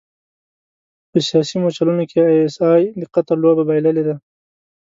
په سیاست مورچلونو کې ای ایس ای د قطر لوبه بایللې.